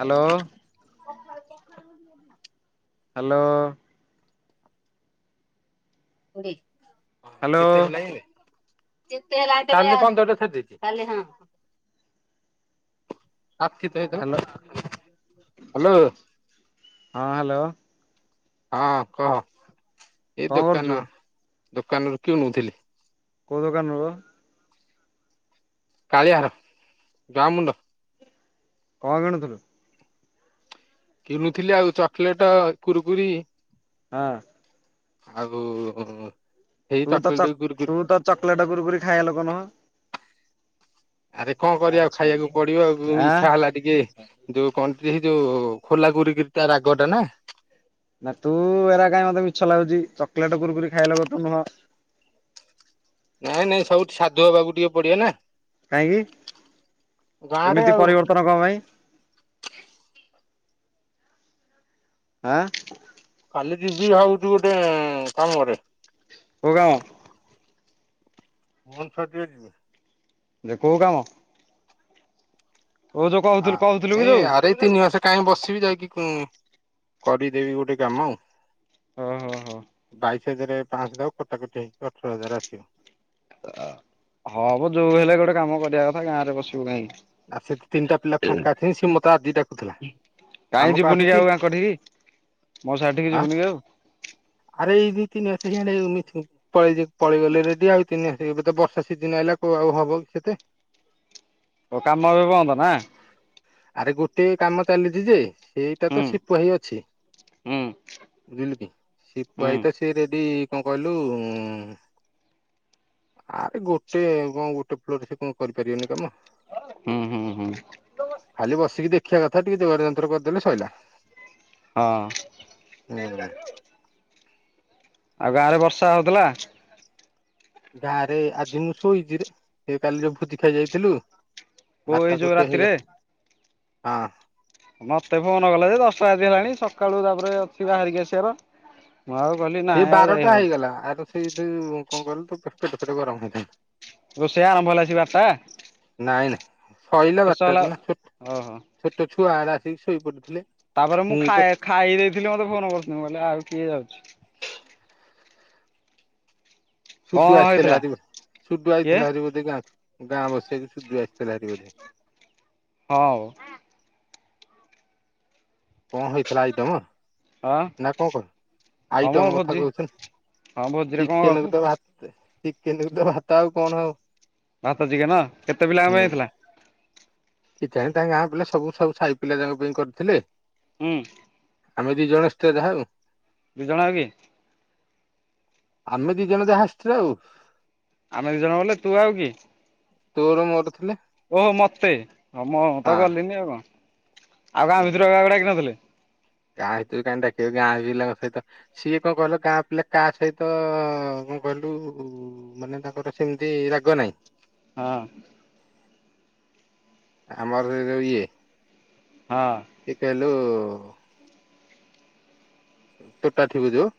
Hello hello [unintelligible] hello କେତେ? [unintelligible] ଯେତେ ହେଲା ତେବେ କାଲି ପନ୍ଦରରେ ଛାଡିଦେଇଚି। କାଲି ହଁ ଆପ୍ କେତେ ହ୍ୟାଲୋ ହେଇଥିଲା ହାଲୋ ହଁ ହାଲୋ ହଁ କହ ଏଇ କଣ କରୁଛୁ ଦୋକାନ ଦୋକାନୁରୁ କିଣୁଥିଲି। କୋଉ ଦୋକାନରୁ? କାଳିଆ ଘର ଗାଁମୁଣ୍ଡ କଣ କିଣୁଥିଲୁ? କିଣୁଥିଲି ଆଉ ଚକଲେଟ, କୁରୁକୁରି ହଁ [inaudible] ସେଇ ତୁ ତ ଚ ଚକୋଲେଟ କୁରୁକୁରି ତୁ ତ ଚକଲେଟ କୁରକୁରି ଖାଇଆ ଲୋକ ନୁହଁ? ଆରେ କଣ କରିଆ ଆଉ ଖାଇଆକୁ ପଡିବ। ଆ ଆଁ ଇଚ୍ଛା ହେଲା ଟିକେ ଯୋଉ କଣ ସେହି ଯୋଉ ଖୋଲା କୁରୁକୁରି ଟା ରାଗଟା ନା? ନା ତୁ ଏରା କାଇଁ ମତେ ମିଛ ଲାଗୁଚି ଚକଲେଟ କୁରୁକୁରି ଖାଇଆ ଲୋକ ତୁ ନୁହଁ। ନାଇଁ ନାଇଁ ସବୁ ସାଧୁ ହବାକୁ ଟିକେ ପଡିବ ନା? କାଇଁକି, ଗାଁ ରେ ଏମିତି ଆଉ ପରିବର୍ତ୍ତନ କଣ ପାଇଁ? ଆଁ କାଲି ଯିବି ହଉଚୁ ଗୋଟେ କାମରେ। କୋଉ କାମ? ଭୋବନଶର ଟିକେ ଯିବି। ଯେ କୋଉ କାମ? ଓ ଯୋଉ କହୁଥିଲୁ କହୁଥିଲୁ କି ଏ ଯୋଉ ଆରେ ତିନି ମାସେ କାଇଁ ବସିବି ଯାଇକି କରିଦେବି ଗୋଟେ କାମ ଆଉ। ଓହୋ ବାଇଶ ହଜାର ପାଞ୍ଚଶହ କଟାକଟି ହେଇକି ଅଠର ହଜାର ଆସିବ। ହଁ ମୋ ଯୋଉ ହେଲେ ଗୋଟେ କାମ କରିଆ କଥା ଗାଁରେ ବସିବୁ କାଇଁକି? ଆ ସେ ତିନିଟା ପିଲା ଫାଙ୍କା ଅଛନ୍ତି ସିଏ ମତେ ଆଜି ଡାକୁଥିଲା। ଆମ କାଇଁ କ୍ଲାସ ଯିବୁନି ଯେ ଅଛି ଆଉ ଆଙ୍କଠିକି ମଉସା ଘରଟିକି ଆ ଯିବୁନି କି ଆଉ ଆରେ ଏଇ ଦି ତିନି ମାସେ [unintelligible] ପଳେଇଚି ପଳେଇ ଗଲେ ରେଡି ଆଉ ତିନି ଏବେ ତ ବର୍ଷା ସିଜିନ ଆଇଲା କୋଉ ଆଉ ହବ ସେତେ? ଓ କାମ ଏବେ ବନ୍ଦ ନା ଆରେ ଗୋଟେ କାମ ଚାଲିଛି ଯେ ଏଇଟା ତ ହୁଁ ସିପୁ ଭାଇ ଅଛି ହୁଁ ବୁଝିଲୁ କି ସିପୁ ହୁଁ ଭାଇ ତ ସେ ରେଡି କଣ କହିଲୁ ଉଁ ଆରେ ଗୋଟେ କଣ ଗୋଟେ ଫ୍ଲୋରେ ସେ କଣ କରିପାରିବନି କାମ। ହୁଁ ହୁଁ ହୁଁ। ଖାଲି ବସିକି ଦେଖିବା କଥା ଟିକେ ଯୋଗାଡ ଯନ୍ତ୍ର କରିଦେଲେ ସଇଲା। ହଁ। ହୁଁ ଆଉ ଗାଁରେ ବର୍ଷା ହଉଥିଲା? ଗାଁରେ ଆଜି ମୁଁ ଶୋଇଛିରେ ସେ କାଲି ଯୋଉ ଭୋଜି ଖାଇ ଯାଇଥିଲୁ। କୋଉ ଏଇ ବାରଟା ଯୋଉ ଗୋଟେ ରାତିରେ ହେଇଗଲା ହଁ। ମତେ ଫୋନ କଲା ଯେ ଦଶଟା ରାତି ହେଲାଣି ସକାଳୁ ତାପରେ ଅଛି ବାହାରିକି ଆସିବାର। ମୁଁ ଆଉ କହିଲି ସେ ନାଇଁ ଆଉ ବାରଟା ଯାଇ ହବନି। ହେଇଗଲା ଆର ସେଇ ତୁ କଣ କହିଲୁ ତୁ ପେଟ ଫେଟ ଗରମ ହେଇଥାନ୍ତା। ରୋଷେଇ ଆରମ୍ଭ ହେଲା ସେଇ ବାରଟା। ନାଇଁ ନାଇଁ ସଇଲା ଶେଷ ହେଲା ବାରଟାରେ ନା ଓହୋ ଛୋଟ ଛୁଆ ଉରା ଆସିକି ଶୋଇପଡିଥିଲେ। ତାପରେ ମୁଁ ଖାଇ ଖାଇ ଦେଇଥିଲି ମତେ ଫୋନ କରୁଛନ୍ତି ମୁଁ କହିଲି ଆଉ କିଏ ଯାଉଛି? କଣ ସୁଡୁ ଆସିଥିଲା ହେଇଥିଲା ଆଜି ସୁଡୁ କିଏ ଆଇଥିଲା ହାରି ବୋଧେଗାଁ ଗାଁ ବସିବାକୁ ସୁଡୁ ଆସିଥିଲା ହାରି ବୋଧେ। ହଁ। କଣ ହେଇଥିଲା ଆଇଟମ? ହଁ ନା କଣ କର ହଁ ମ ଆଇଟମ କଥା ଭୋଜି କହୁଛୁ ନା ହଁ ଭୋଜିରେ କଣ ଗଳ୍ପ ଚିକେନକୁ ତ ଭା ଚିକେନକୁ ତ ଭାତ ଆଉ କଣ ଆଉ? ଭାତ ଚିକେନ କେତେ ପିଲାଙ୍କ ପାଇଁ ହେଇଥିଲା? କିଜାଣି ତା ଗାଁ ପିଲା ସବୁ ସାଇ ସାଇ ପିଲାଙ୍କ ପାଇଁ କରିଥିଲେ? ହୁଁ। ଆମେ ଦି ଜଣ ଆସ୍ତେ ଯାହାହଉ। ଦି ଜଣ ଆଉ କିଏ? ଆମେ ଦି ଜଣ ଯାହା ଆସିଥିଲେ ଆଉ। ଆମେ ଦି ଜଣ ବୋଲେ ତୁ ଆଉ କିଏ? ତୋର ମୋର ଥିଲେ। ଓହୋ ମତେ ମୁଁ ତ ହଁ ଗଲିନି ଆଉ କଣ ଆଉ ଗାଁ ଉଁ ଭିତରୁ କାହାକୁ ଡାକି ନଥିଲେ? ଗାଁ ଭିତରୁ କାହିଁକି ଡାକିବେ ଗାଁ ପିଲାଙ୍କ ସହିତ ସିଏ କଣ କହିଲ କା ପିଲା କା ସହିତ କଣ କହିଲୁ? ମାନେ ତାଙ୍କର ସେମିତି ରାଗ ନାହିଁ। ହଁ। ଆମର ଯଉ ଇଏ। ହଁ। କିଏ କେଲୁ? ତୋଟା ଥିବୁ ଯୋଉ।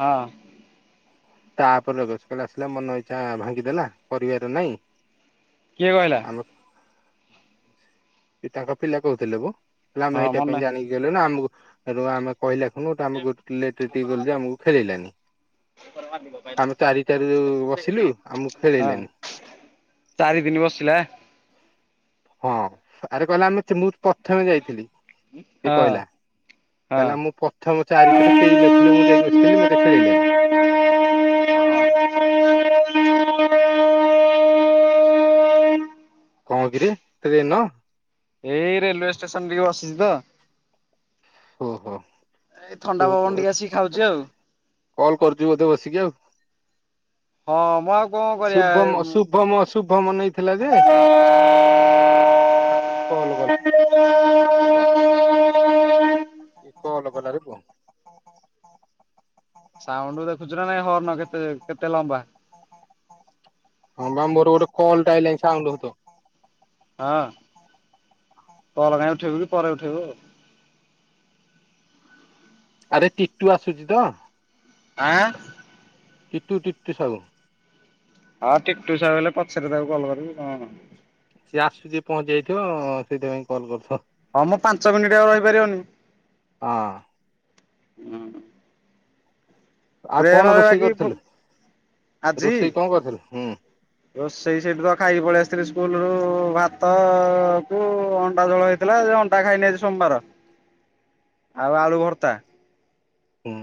ହଁ। ତାପରେ [inaudible] ଆସିଲା ମନ ଇଚ୍ଛା ଭାଙ୍ଗିଦେଲା ପରିବାର ନାଇଁ। କିଏ କହିଲା? ଆମେ ତାଙ୍କ ପିଲା କହୁଥିଲେ ହୋ କହିଲେ ଆମେ ହଁ ଏଇଟା ମନେ ପାଇଁ ଜାଣିକି ଦେଲା ଆମକୁ ଆମେ କହିଲାଠୁଁ ଆମକୁ ଲେଟରେ ଟିକେ ଗଲୁ ଯେ ଆମକୁ ଖେଳେଇଲେନି। ଘରମାଲିକ। ଆମେ ଚାରିଟାରୁ ବସିଲୁ ଆମକୁ ହଁ ଖେଳେଇଲେନି। ଚାରି ଦିନି ବସିଲା? ହଁ ଆରେ କହିଲା ଆମେ ମୁଁ ପ୍ରଥମେ ଯାଇଥିଲି ସେ ହଁ କହିଲା। ହଁ କହିଲା ମୁଁ ପ୍ରଥମ ଚାରିିତାରୁ କେହି ନଥିଲେ ମୁଁ ଯାଇକି ବସିଥିଲି ମତେ ଖେଳେଇଲେନି। କଣ କିରେ ଏତେ ଦିନ ଏଇ ରେଲୱେ ଷ୍ଟେସନ ଟିକେ ବସିଛି ତ ଓହୋ ଏଇ ଥଣ୍ଡା ପବନ ଟିକେ ଆସିକି ଖାଉଛି ଆଉ। କଲ କରୁଛୁ ବୋଧେ ବସିକି ଆଉ। ହଁ ମୁଁ ଆଉ କଣ କରିବା ଶୁଭମ ଶୁଭ ଶୁଭମ-ଶୁଭମ ନେଇଥିଲା ଯେ। କିଏ କଲ କଲା। [inaudible] କିଏ କଲ କଲାରେ ପୁଅ। ସାଉଣ୍ଡ ଦେଖୁଛୁ ନା ନାଇଁ ହର୍ଣ କେତେ କେତେ ଲମ୍ବା। ହଁ ବା ମୋର ଗୋଟେ କଲ୍ଟା ଆଇଲାଇଁ ସାଉଣ୍ଡ ହଉଥବ। ହଁ କଲ କାଇଁ ଉଠେଇବୁ କି ପରେ ଉଠେଇବୁ ଆଉ। ଆରେ ଟିଟୁ ଆସୁଛି ତ? ଆଁ? ଟିଟୁ ଟିଟୁ ସାହୁ। ହଉ ଟିଟୁ ସାହୁ ହେଲେ ପଛରେ ତାକୁ କଲ୍ କରିବି କଣ ସିଏ ଆସୁଛି ପହଞ୍ଚି ଯାଇଥିବ ସେଇଥିପାଇଁ କଲ୍ କରୁଥିବ। ହଁ ମ ପାଞ୍ଚ ମିନିଟ୍ ଆଉ ରହିପାରିବନି। ହଁ। ହୁଁ। ଆଉ କଣ ଟ୍ରେନରେ ରୋଷେଇ ବାକି କରିଥିଲୁ ଆଜି ରୋଷେଇ କଣ କରିଥିଲୁ ହୁଁ ରୋଷେଇ ସେଇଠି ତ ଖାଇକି ପଳେଇ ଆସିଥିଲି ସ୍କୁଲ ରୁ ଭାତ କୁ ଅଣ୍ଡା ଝୋଳ ହେଇ ଥିଲା ଯେ ଅଣ୍ଟା ଖାଇନି ଆଜି ସୋମବାର। ଆଉ ଆଳୁ ଭର୍ତ୍ତା। ହୁଁ,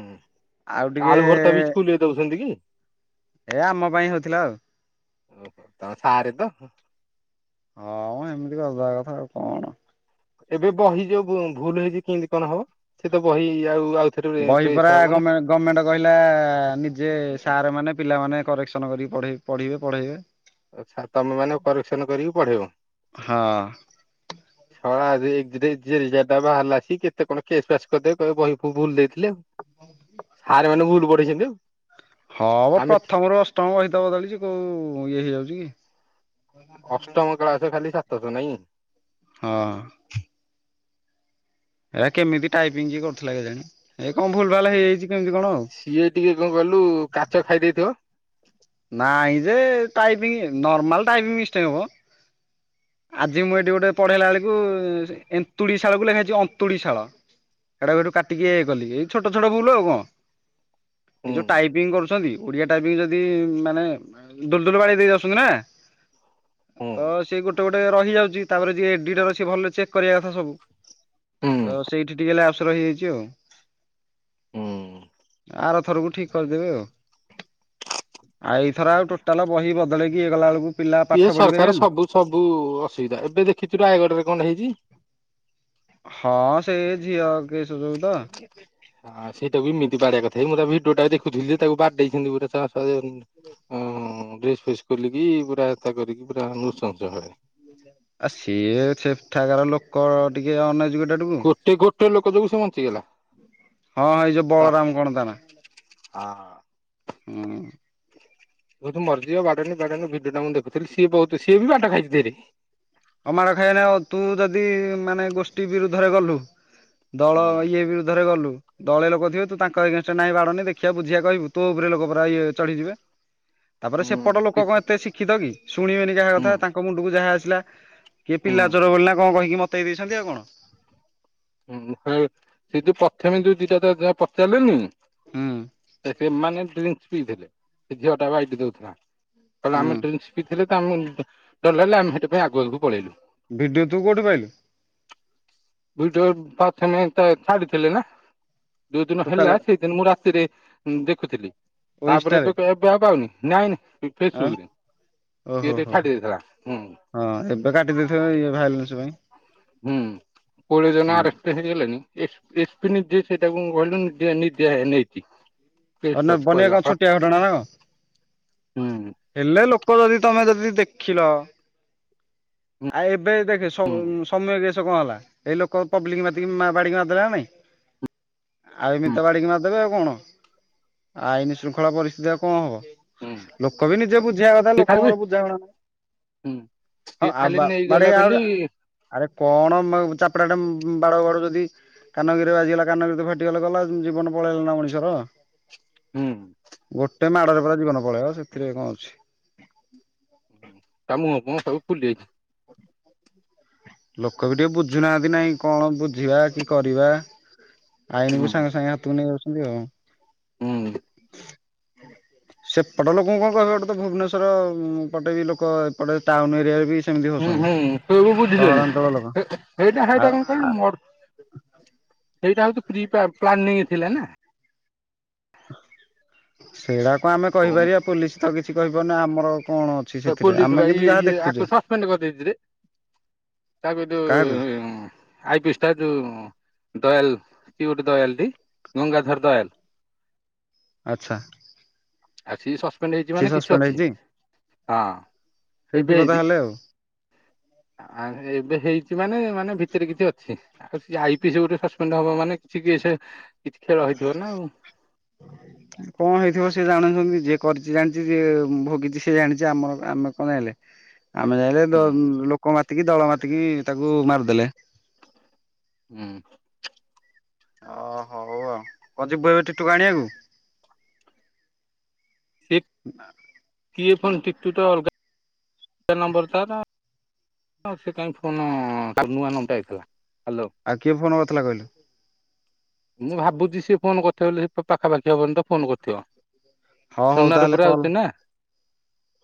ଆଉ ଟିକେ ଆଳୁ ଭର୍ତା ବି ସ୍କୁଲ ରେ ଦଉଛନ୍ତି କି? ଏ ଆମ ପାଇଁ ହଉଥିଲା ଆଉ। ଓହୋ ତମେ ସାରେ ତ। ହଁ ଏମିତି କରିଦବା କଥା ଆଉ କଣ। ଏବେ ବହି ଯୋଉ ବ ଭୁଲ ହେଇଚି କିନ୍ତି କଣ ହବ, ସେ ତ ବହି ଆଉ ଆଉ ବହି ପରା ଗମେ ଗମେଣ୍ଟ କହିଲା, ନିଜେ ସାର୍ ମାନେ ପିଲାମାନେ କରେକ୍ସନ କରିକି ପଢେ ପଢ଼ିବେ ପଢେଇବେ। ଆଛା ତମେମାନେ କରେକ୍ସନ କରିକି ପଢେଇବ। ହଁ ସଲା ରେ ରିଯାତ ବାହାରିଲା ଆସି କେତେ କଣ କେସ୍ ବାସ୍ କରିଦେବେ କହିବେ ବହି ଫୁ ଭୁଲ ଦେଇଥିଲେ ଆଉ। ସାର୍ ମାନେ ଭୁଲ ପଠେଇଛନ୍ତି ଆଉ। ହଁ ମ ଆମେ ପ୍ରଥମରୁ ଅଷ୍ଟମ ବହିତ ବଦଳିଚି କୋଉ ଇଏ ହେଇଯାଉଛି କି? ଅଷ୍ଟମ କ୍ଳାସ ଖାଲି ସାତଶହ ନାଇଁ? ହଁ। ହେଟା କେମିତି ଟାଇପିଙ୍ଗ କିଏ କରୁଥିଲା କେ ଜାଣି, ହେଇ କଣ ଭୁଲ ଭାଲ ହେଇଯାଇଛି କେମିତି କଣ ଆଉ। ସିଏ ଟିକେ କଣ କହିଲୁ କାଚ ଖାଇଦେଇେଇଥିବ ନାଇଁ ଯେ ଟାଇପିଂ ନର୍ମାଲ ଟାଇପିଂ ମିଷ୍ଟେକ୍ ମ। ଆଜି ମୁଁ ଏଠି ଗୋଟେ ପଢେଇଲା ବେଳକୁ ଏନ୍ତୁଡି ଶାଳକୁ ଲେଖା ହେଇଛି ଅନ୍ତୁଡି ଶାଳ। ହେଟା କୁ ହେଠୁ କାଟିକି ଏକଲି, ଏଇ ଛୋଟ ଛୋଟ ଭୁଲ ଆଉ କଣ। ଏଇ ହୁଁ ଯୋଉ ଟାଇପିଂ କରୁଚନ୍ତି ଓଡିଆ ଟାଇପିଙ୍ଗ ଯଦି ମାନେ ଦୁଲ ଦୁଲ ବାଡି ଦେଇ ଯାଉସନ୍ତି ନା। ହୁଁ ତ ସିଏ ଗୋଟେ ଗୋଟେ ରହି ଯାଉଛି ତାପରେ ଯିଏ ଏଡିଟର ସିଏ ଭଲରେ ଚେକ୍ କରିବା କଥା ସବୁ। ହୁଁ ତ ସେଇଠି ଟିକେ ଲାବ୍ସ୍ ରହିଯାଇଛି ଆଉ। ହୁଁ। ଆର ଥରକୁ ଠିକ କରିଦେବେ ଆଉ। ଆଉ ଏଇଥର ଆଉ ଟୋଟାଲ ବହି ବଦେଇକି ଇଏକଲା ବେଳକୁ ପିଲା ପାଠ ଇଏ ପଢି ସରକାର ପାରିବେନି। ସବୁ ସବୁ ଅସୁବିଧା, ଏବେ ଦେଖିଛୁ ରାୟଗଡ ରେ କଣ ହେଇଛି? ହଁ ସେ ଝିଅ କେସ୍ ଯୋଉତ। ହଁ ସେଇଟା ବି ଏମିତି ବାଡେଇଆ କଥାକି, ମୁଁ ତା ଭିଡିଓଟା ଦେୁଥିଲ ଯେ ତାକୁ ବାଡେଇସନ୍ତି ଗୁରେ ତ ତା ଯେ ଡ୍ରେସ୍ ଫେସ୍ ଖୋଲିକି ପୁରା ଏତା କରିକି ପୁରା ନୃସଂସ ଭାବରେ। ଆ ସିଏ ସେଠାକାର ଲୋକ ଟିକେ ଅନ ଏଯୁକେଟଡକୁ। ଗୋଟେ ଗୋଟେ ଲୋକ ଯୋଗୁ ସେ ବଞ୍ଚିଗଲା। ହଁ ହେଇ ଯୋଉ ବଳରାମ କଣ ତା ନା। ଆ। ଉଁ। ବହୁତ ମରିଯିବ ବାଡନୀ ବାଡାନୀ ଭିଡିଓ ଟା ମୁଁ ଦେଖଥିଲି ସିଏ ବହୁତ ସିଏ ବି ବାଟ ଖାଇଛି ଢେର୍। ଆଉ ମାଡ ଖାଇବନି ଆଉ ତୁ ଯଦି ମାନେ ଗୋଷ୍ଠୀ ବିରୁଦ୍ଧରେ ଗଲୁ ଦଳ ହୁଁ ଇଏ ବିରୁଦ୍ଧରେ ଗଲୁ। ଦଳେ ଲୋକ ଥିବେ, ତୁ ତାଙ୍କ ଏଗେନଷ୍ଟ ନାଇଁ ବାଡ଼ନି ଦେଖିବା ବୁଝିବା କହିବୁ ତୋ ଉପରେ ଲୋକ ପରା ଏ ଚଢିଯିବେ। ତାପରେ ସେପଟ ଲୋକ ହୁଁ କଣ ଏତେ ଶିକ୍ଷିତ କି? ଶୁଣିବେନି ଯାହା ହୁଁ କଥା ତାଙ୍କ ମୁଣ୍ଡକୁ ଯାହା ଆସିଲା କିଏ ପିଲା ହୁଁ ଚୋର ବୋଲି ନା କଣ କହିକି ମତେଇ ଦେଇସନ୍ତି ଆଉ କଣ। ହୁଁ ସେ ଯୋଉ ପ୍ରଥମେ ଯୋଉ ଦିଟାଟା ଯା ତାକୁ ପଚାରିଲେନି ହୁଁ ସେମାନେ ଡ୍ରିଙ୍କସ ପିଇଥିଲେ ସେ ଝିଅ ଟା ବାଇଟ ଦଉଥିଲା। କହଲା ହୁଁ ଆମେ ଡ୍ରୀଙ୍କସ ପିଥିଲେ ତ ଆମ ଡରଲାଗିଲା ଆମେ ସେଇଥି ପାଇଁ ଆଗ ଆଗକୁ ପଳେଇଲୁ। ଭିଡ଼ିଓ ତୁ କଉଠି ପାଇଲୁ? ଭିଡିଓ ପ୍ରଥମେ ତ ଛାଡିଥିଲେ ନା। ଯୋଉ ଦିନ ଟୋଟାଲ ହେଲା ସେଇ ଦିନ ମୁଁ ରାତିରେ ଦେଖୁଥିଲି, ଓ ତାପରେ ଇନଷ୍ଟାରେ ଏବେ କାଇଁ ଏବେବା ଆଉ ପାଉନି ନାଇଁ ନାଇଁ ଆଉ ଫେସବୁରେ, ଓହୋ କିଏ ଦେ ହୋ ଛାଡ଼ି ଦେଇଥିଲା ହୁଁ। ହଁ ଏବେ କାଟିଦେଇଥିବ ଇ ଭାଇଲେନ୍ସ ପାଇଁ। ହୁଁ ପୁଲି ହୁଁ ନାରେ। ହେଇଗଲେଣିି ଏପ ଏସପି ନିଜେ ସେଇଟାକୁ କହିଲୁ ନେଇଛିି ବନ୍ୟା କଣ ଛୋଟିଆ ଘଟଣା ନା କ ହୁଁ ହୁଁ ହେଲେ ଲୋକ ଯଦି ତମେ ଯଦି ଦେଖିଲ ଆୟେ ଏବେ ଦେଖେ ସମ୍ ସମୟ କେସ କଣ ହେଲା। ଏଇ ଲୋକ ପବ୍ଲିକ ମାତିି ବାଡିକି ମାରଦେବା ନାଇଁ। ଆଉ ହୁଁ ଏମିିତ ବାଡ଼ିକି ମାରି ଦେବେ ଆଉ କଣ। ଆଇନ ଶୃଙ୍ଖଳା ପରିସ୍ଥିତିରେ କଣ ହବ। ହୁଁ ଲୋକ ବି ନିଜେ ବୁଝିବା କଥା ସେ ଖାଲି ଲୋକଙ୍କର ବୁଝା ଗଣା ହୁଁ ହଁ ସିଏ ଖାଲି ଆ ନେଇଗଲା ବାଡ଼େଇ ଆଉ ବୋଲି ର ଆରେ କଣ ଚାପଟା ଟା ବାଡ ବାଡ଼ାଉ ଯଦି କାନଗିରିରେ ଆଜିଗଲା କାନଗିରି ତ ଫାଟିଗଲେ ଗଲା ଜୀବନ ପଳେଇଲା ନା ମଣିଷର। ହୁଁ। ଗୋଟେ ମାଡରେ ପୁରା ଜୀବନ ପଳେଇବା ସେଥିରେ କଣ ଅଛି। ତ ମୁୁୁଁହ ଫୁହଁ ସବୁ ଫୁଲି ଯାଇଛି। ଲୋକ ବି ଟିକେ ବୁଝୁନାହାନ୍ତି ନାଇଁ କଣ ବୁଝିବା କି କରିବା। ଆଇନୀକୁ ହୁଁ ସାଙ୍ଗେ ସାଙ୍ଗେ ହାତକୁ ନେଇ ଯାଉଛନ୍ତି ହୁଁ ଆଉ। ସେପଟ ଲୋକଙ୍କୁ କଣ କହିବ ଗଟେ ତ ଭୁବନେଶ୍ବର ପଟେ ବି ଲୋକ ଏପଟେ ଟାଉନ ଏରିଆରେ ବି ସେମିତି ହଉଛନ୍ତି। ସେବ ବୁଝିିଲଲି ସହରାଞ୍ଚଳ ଲୋକ ସେଇଟା ସେଇଟା ଆଉ କଣ ଆ କିଲୁ ମୋର ସେଇଟା ହଉଛି ପ୍ରି ପ୍ଲା ପ୍ଲାନିଙ୍ଗ ନେଇ ଥିଲା ନା। ସେଇଡାକୁ ଆମେ କହିପାରିବା ପୋଲିସ ତ କିଛି କହିପାରୁନି ଆମର କଣ ଅ ପୋଲିସ ବା ଇ ଇଏ ଆକୁ ସସ୍ପେଣ୍ଡ କରିଦେଇଛିରେ। ତା ଭିଡ୍ କାହାକୁ ଉଁ ଆଇ ପିଏସ ଟା ଯୋଉ ଦୟାଲଉ ଦୟାଲ ଟି ଗଙ୍ଗାଧର ଦୟାଲ। ଆଚ୍ଛା ଆଉ ସି ସସ୍ପେଣ୍ଡ ହେଇଛି ସିଏ ମାନେ କିଛି ସସ୍ପେଣ୍ଡ ଅଛି ହେଇଛି ହଁ କେବେ ହେଇଥିବ ହେଇଚି? ତାହେଲେ ଆଉ। ଆ ଏବେ ହେଇଛି ମାନେ ମାନେ ଭିତରେ କିଛି ଅଛି। ଆଉ ସିଏ ଆଇ ପି ଏସ୍ ଗୋଟେ ସସ୍ପେଣ୍ଡ ହବ ମାନେ କିଛି କେସ୍ କିଛି ଖେଳ ହେଇଥିବ ନା ଆଉ। କଣ ହେଇଥିବ ସେ ଜାଣୁଛନ୍ତି ଯିଏ କରିଛି ଜାଣିଛି ଯିଏ ଭୋଗିଛି ସିଏ ଜାଣିଛି। ଆମର ଆମେ କଣ ଯାଇଁଲେ? ଆମେ ଯାଇଁଲେ ହୁଁ ଲୋକ ମାତିକି ଦଳ ମାତିକି ତାକୁ ମାରିଦେଲେ। ହୁଁ ଓ ହଉ ଆଉ କଣ ଯିବୁ ଏବେ ଟିଟୁକୁ ଆଣିବାକୁ? ସେ କିଏ ଫନ୍ ଟିକ ଟୁ ଟା ଅଲଗା ତେ ନମ୍ବର ତାର ହଉ ସେ କାହିଁ ଫୋନ ନୂଆ ନମ୍ଟା ଆଇଥିଲା। ହାଲୋ ଆଉ କିଏ ଫୋନ କରିଥିଲା କହିଲେ? ମୁଁ ଭାବୁଛି ସିଏ ଫୋନ୍ କରିଥିବ ବୋଲି ପାଖାପାଖି ପର୍ଯ୍ୟନ୍ତ ଫୋନ୍ କରିଥିବ। ହଁ ହଉ ସୁନା ତାହେଲେ ରୁପାରେ କଲ୍ ଆଉଛି ନା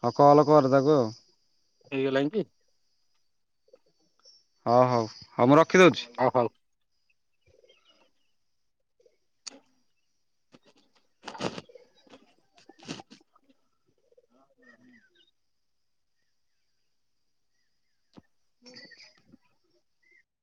ହଁ କଲ୍ କର ତାକୁ ଆଉ ହେଇଗଲାଣି କି? ହଁ ହଉ ହଉ ମୁଁ ରଖିଦଉଛି। ହଉ ହଲ୍ [inaudible]